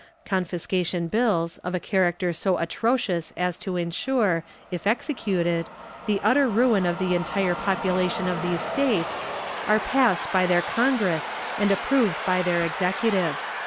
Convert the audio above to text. Confiscation bills, of a character so atrocious as to insure, if executed, the utter ruin of the entire population of these States, are passed by their Congress and approved by their Executive.